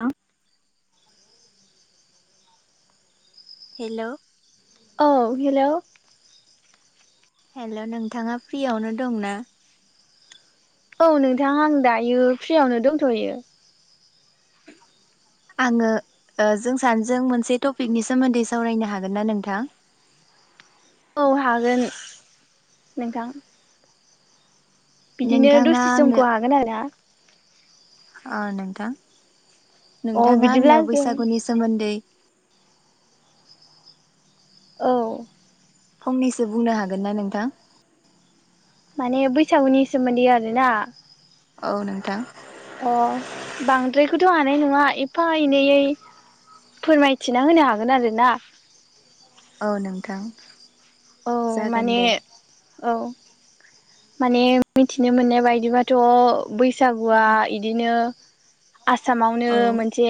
आ। हेलौ। औ hello. Hello नोंथाङा फ्रियावनो दंना? औ नोंथां आं दायो फ्रियावनो दोंथ'यो। आङो ओ जों सानजों मोनसे टपिकनि सोमोन्दै सावरायनो हागोन ना नोंथां? औ हागोन नोंथां। बिदिनो नोंथाङा दसे आंनो समखौ हागोन आरो ना। अ नोंथां अ नोंथाङा बिदिब्ला आंनो जों बैसागुनि सोमोन्दै औ। फंनैसो बुंनो हागोन ना नोंथां। माने बैसागुनि सोमोन्दै आरो ना। औ नोंथां। अ' बांद्रायखौथ' हानाय नङा एफा एनैयै फोरमायथिना होनो हागोन आरो ना‌ औ नोंथां। औ जागोन माने दे औ। माने मिथिनो मोननाय बायदिबाथ' बैसागुआ औ इदिनो आसामावनो औ मोनसे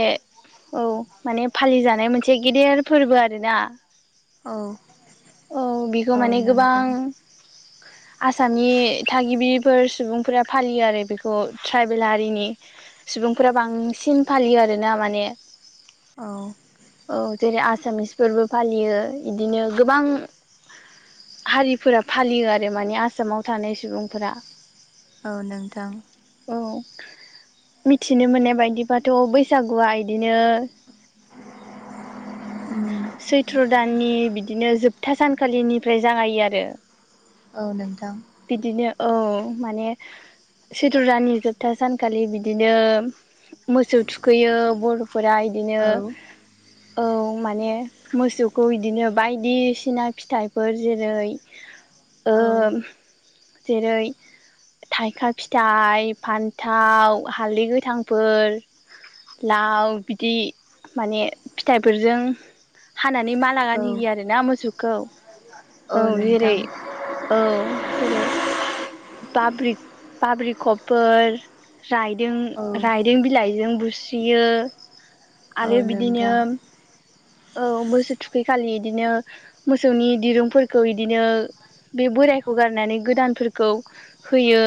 औ माने फालिजानाय मोनसे गेदेर फोरबो आरो ना। औ औ। बेखौ औ माने गोबां नोंथां आसामनि थागिबिफोर सुबुंफोरा फालियो आरो बेखौ ट्राइबेल हारिनि सुबुंफोरा बांसिन फालियो आरोना माने औ। औ जेरै आसामिस फोरबो फालियो इदिनो गोबां हारिफोरा फालियो आरो माने आसामाव थानाय सुबुंफोरा। औ नोंथां। औ मिथिनो मोननाय बायदिबाथ' बैसागुआ बिदिनो उम सैथ्र' दाननि बिदिनो जोब जोबथा सानखालिनिफ्राय जागायो आरो। औ नोंथां। बिदिनो औ माने। सिथुर दाननि जोबथा सानखालि बिदिनो मोसौ थुखैयो बर'फोरा इदिनो औ औ माने मोसौखौ बिदिनो बायदिसिना फिथाइफोर जेरै ओ औ। जेरै थाइखा फिथाइ, फान्थाव, हालदै गोथांफोर, लाव बिदि माने फिथाइफोरजों हानानै मान औ रागानि होयो आरोना मोसौखौ औ जेरै औ जेरै बाब्रिक'फोर औ रायदों बिलाइजों बुस्रियो औ आरो बिदिनो नोंथां औ मोसौ थुखैखालि इदिनो मोसौनि दिरुंफोरखौ इदिनो बे बोरायखौ गारनानै गोदानफोरखौ होयो।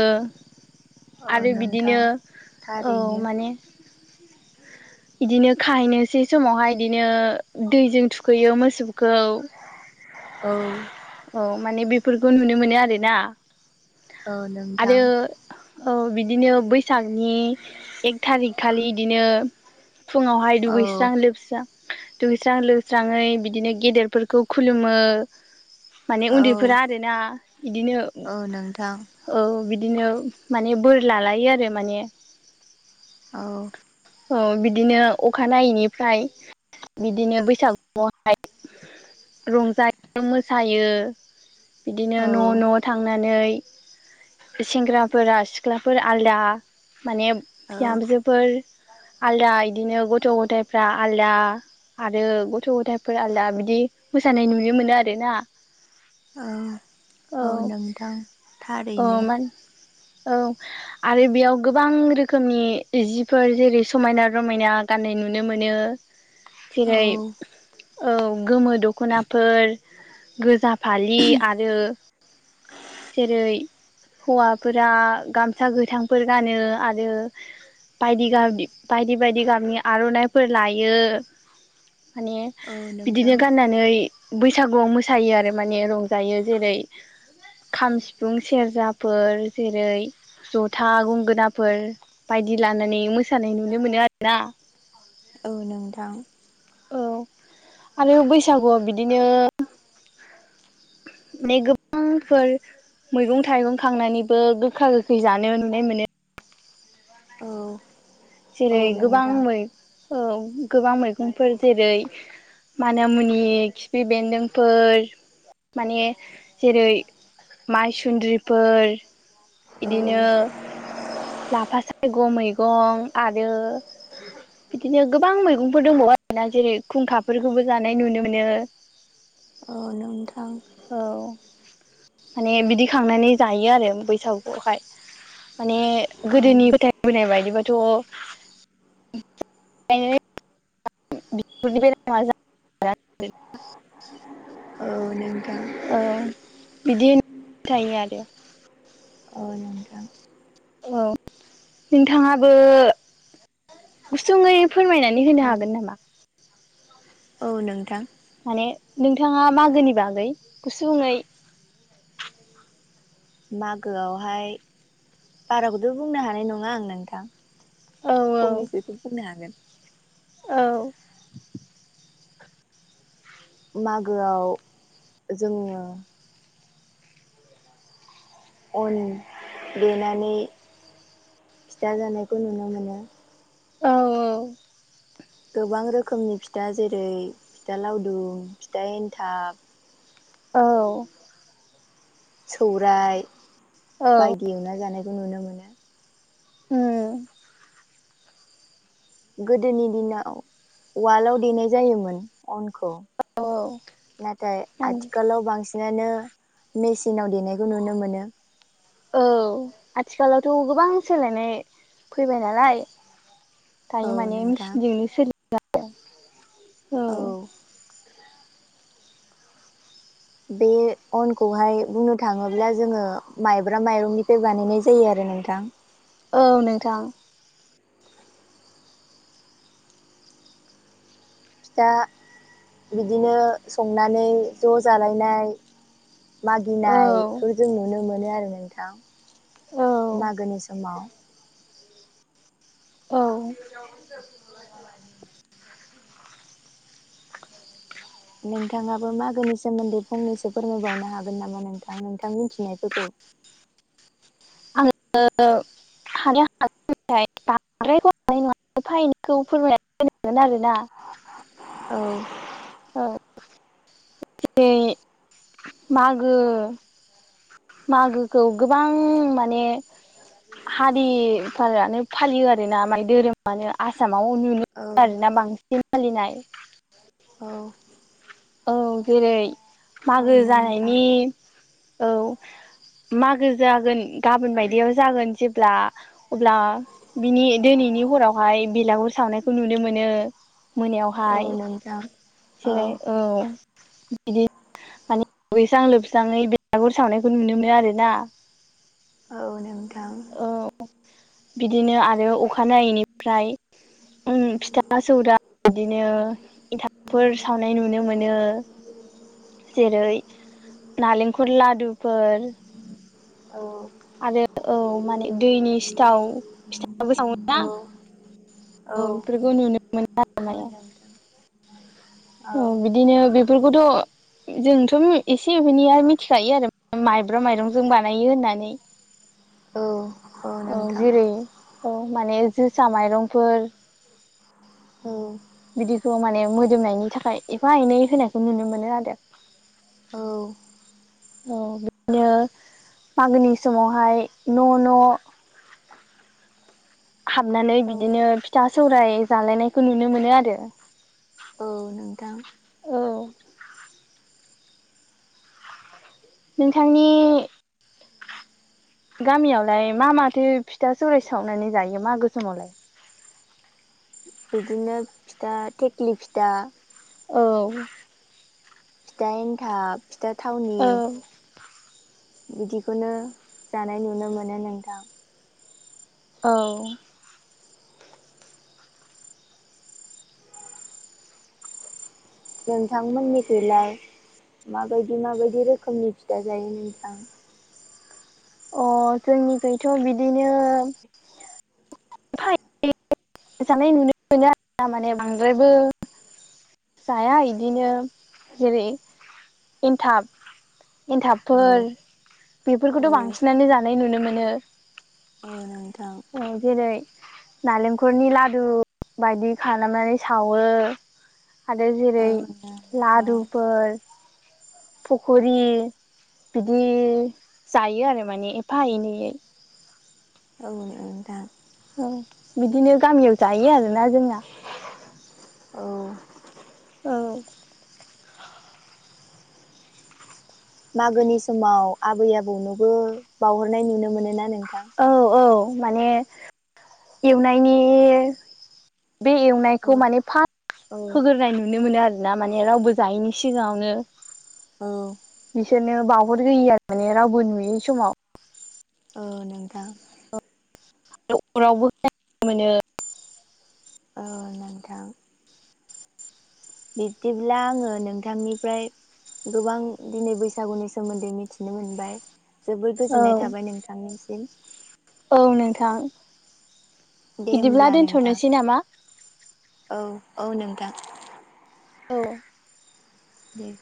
औ आरो नोंथां बिदिनो औ थारैनो माने बिदिनो खाहैनोसै समावहाय बिदिनो दैजों थुखैयो मोसौखौ औ। औ माने बेफोरखौ नुनो मोनो आरोना। औ नोंथां आरो औ बिदिनो बैसागनि एक थारिक खालि बिदिनो फुंङावहाय औ दुगैस्रां लोबस्रां दुगैस्राब लोस्राङै बिदिनो गेदेरफोरखौ खुलुमो। माने औ उन्दैफोरा आरोना बिदिनो। औ नोंथां। औ बिदिनो माने बोर लालायो आरो माने। औ। औ बिदिनो अखानायैनिफ्राय। बिदिनो बैसागुआवहाय रंजायो मो सायो बिदिनो औ न' न' थांनानै सेंग्राफोरा सिख्लाफोर आलदा माने औ बिहामजोफोर आलदा इदिनो गथ' गथायाइफ्रा आलदा आरो गथ' गथायफोर आलदा बिदि मोसानाय नुनो मोनो आरोना औ औ नोंथां औ थारैनो माने औ। आरो बेयाव गोबां रोखोमनि जिफोर जेरै, समायना रमायना गाननाय नुनो मोनो। औ जेरै, औ गोमो दख'नाफोर। गोजा फालि आरो जेरै- हौवाफोरा गामसा गोथांफोर गानो आरो बायदि बायदि गाबनि आर'नाइफोर लायो। माने औ नोंथां बिदिनो गाननानै बैसागुआव मोस मोसायो आरो माने रंजायो जेरै, खाम सिफुं सेरजाफोर जेरै जथा गंगोनाफोर बायदि लानानै मोसानाय नुनो मोनो आरोना। औ नोंथां। औ आरो बैसागुआव बिदिनो। माने गोबांफोर मैगं थाइगं खांनानैबो गोखा गोखै जानो नुनाय मोनो औ। औ जेरै गोबां नोंथां ओ गोबां मैगंफोर जेरै, माना मुनि खिफि बेन्दोंफोर माने जेरै माइसुन्द्रिफोर औ नोंथां बिदिनो औ लाफा सायग' मैगं आरो। बिदिनो गोबां मैगंफोर दंबावो आरोना जेरै खुंखाफोरखौबो जानाय नुनो मोनो। अ नोंथां। औ माने बिदि खांनानै जायो आरो बैसागुखौहाय। माने गोदोनि फोथायबोनाय बायदिबथ' [unintelligible] [unintelligible] [unintelligible] औ नंगौ। औ। बिदि होन [unintelligible] आरो औ नोंथां। औ नोंथाङाबो गुसुङै फोरमायनानै होनो औ हागोन नामा? औ नोंथां। माने नोंथाङा मागोनि बागै गुसुुङै। मागोआवहाय बाराबोथ' बुंनो हानाय नङा आं नोंथां। औ फंनैसोसो बुंनो हागोन। औ। मागोआव जोङो। अन देनानै फिथा जानायखौ नुनो मोनो। औ औ गोबां रोखोमनि फिथा जेरै, फिथा लावदुम, फिथा एन्थाब, औ। सौराय बायदि एवना जानायखौ नुनो मोनो। उम। गोदोनि दिनाव वाल्दआव देनाय जायोमोन। अनखौ औ नाथाय औ आथिखालाव बांसिन नानो मेसिनि नाव देनायखौ नुनो मोनो। औ आथिखालावथ' गोबां सोलायनाय फैबाय नालाय। दायो औ माने नोंथां मेसिनजोंनो सोलि औ। बे अनखौहाय बुंनो थाङोब्ला जोङो माइब्रा माइरंनिफ्राय बानायनाय जायो आरो नोंथां। औ नोंथां। फिथा बिदिनो संनानै ज' जालायनाय औ मागिनायखौ जों नुनो मोनो आरो नोंथां औ मागोनि समाव। औ। नोंथाङाबो मागोनि सोमोन्दै फंनैसो फोरमायबावनो हागोन नामा नोंथां नोंथां मिथिनायफोरखौ? औ। [unintelligible] ओमफ्राय बांद्रायबो हानाय नङा [unintelligible] फोरमायनानै होगोन आरोना औ। औ जेरै मागो मागोखौ गोबां माने हारिफोरानो फालियो आरोना माने धोरोमानो आसामाव नु औ आरोना बांसिन फालिनाय औ। औ जेरै औ मागो नोंथां जानायनि औ मागो जागोन गाबोन बायदियाव जागोन जेब्ला अब्ला बिनि दिनैनि हरावहाय बेलागुर सावनायखौ नुनो मोनो। औ मोनायावहाय नोंथां जेरै औ बिदि खालि दुगैस्रां-लोबस्राङै बेलागुर सावनायखौ नुनो मोनो आरोना। औ नोंथां। औ बिदिनो आरो अखानायैैनिफ्राय उम फिथा सौरा बिदिनो एनथाबफोर साव मोनो औ जेरै नालेंखल लादुफोर औ। आरो औ माने दैनि सिथाव फिथाबो सावो औ ना। औ बेफोरखौ नुनो मोनो आरो माने। नोंथां औ बिदिनो बेफोरखौथ' जोंथ' एसे एनैया मिथिखायो आरो माइब्रा माइरंजों बानायो होननानै। औ। औ जेरै औ माने जोसा माइरंफोर औ। बिदिखौ माने मोदोमनायनि थाखाय एफा एनै होनायखौ नुनो मोनो आरो। औ। औ बिदिनो मागोनि समावहाय न' न' हाबनानै औ बिदिनो फिथा सौराय जालायनायखौ नुनो मोनो आरो। औ नोंथां। औ। नोंथांनि गामियावलाय मा माथो फिथा सौराय सावनानै जायो मागो समोमावलाय? बिदिनो फिथा थेख्लि फिथा औ ‌ फिथा एन्थाब फिथा थावनि बिदिखौनो जानाय नुनो मोनो नोंथां। औ। नोंथांमोननिखैलाय माबायदि माबायदि रोखोमनि फिथा जायो नोंथां? अ जोंनिखैथ' बिदिनो [unintelligible] जानाय नुनो मोनो आरोना माने बांद्रायबो जाया इदिनो जेरै एन्थाब औ एन्थाबफोर औ बेफोरखौथ' बांसिनानो जानाय नुनो मोनो। औ नोंथां। औ जेरै। नारेंखलनि लादु बायदि खालामनानै सावो आरो जेरै औ नोंथां लदुफोर फखरि बिदि जायो आरो माने एफा एनैयै ओं नोंथां। औ बिदिनो गामियाव जायो आरोना जोंना। औ। औ। मागोनि समाव आबै आबौनोबो बावहरनाय नुनो मोनो ना नोंथां। औ औ माने एवनायनि। बे एवनायखौ औ माने औ फार्स्ट होग्रोनाय नुनो मोनो आरो। ना माने रावबो जायैनि सिगाङावनो। औ। बिसोरनो बावहर होयो आरो माने रावबो नुयै समाव। ओ नोंथां। न'खराव बो [unintelligible] मोनो ओ नोंथां। बिब्दिब्ला आङो नोंथांनिफ्राय। गोबां दिनै बैसागुनि सोमोन्दै मिथिनो मोनबाय। जोबोर औ गोजोननाय थाबाय नोंथांनिसिम। औ नोंथां दे बिदिब्ला होमब्ला नोंथां दोन्थ'नोसै नामा। औ औ नोंथां। औ। दे।